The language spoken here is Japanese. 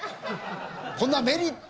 こんなメリット